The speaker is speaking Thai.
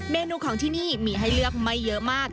เมนูของที่นี่มีให้เลือกไม่เยอะมาก